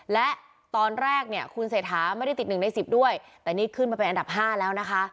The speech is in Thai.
และตอนแรกเนี่ยคุณเศรษฐาไม่ได้ติด๑ใน๑๐ด้วยแต่นี่ขึ้นมาเป็นอันดับ๕แล้วนะคะ